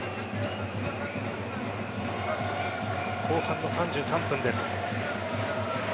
後半の３３分です。